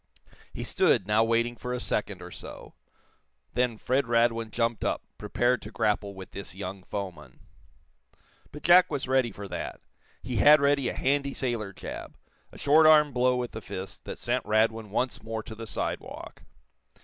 He stood, now waiting for a second or so. Then Fred Radwin jumped up, prepared to grapple with this young foeman. But Jack was ready for that. He had ready a handy sailor jab a short arm blow with the fist that sent Radwin once more to the sidewalk.